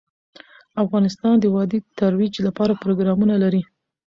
افغانستان د وادي د ترویج لپاره پروګرامونه لري.